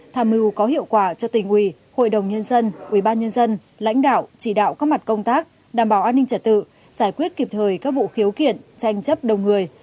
tham mưu có hiệu quả cho tình quỳ hội đồng nhân dân ủy ban nhân dân lãnh đạo chỉ đạo các mặt công tác đảm bảo an ninh trả tự giải quyết kịp thời các vụ khiếu kiện tranh chấp đồng người